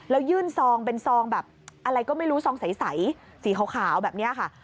แล้วยื่นซองเป็นซองแบบอะไรก็ไม่รู้ซองใสสีขาวแบบนี้ค่ะ